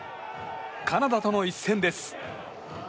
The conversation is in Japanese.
カナダとの一戦です。